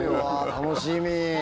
楽しみ。